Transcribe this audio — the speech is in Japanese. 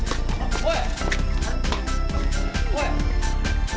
おい！